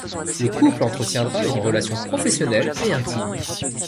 Le couple entretiendra une relation professionnelle et intime.